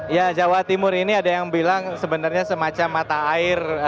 ya jawa timur ini ada yang bilang sebenarnya semacam mata air